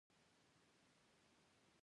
پورته مې وکتل.